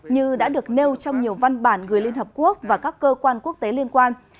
như đã được nêu trong nhiều văn bản gửi liên hợp quốc và các cơ quan quốc tế liên quan